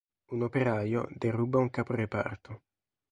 Un operaio deruba un caporeparto.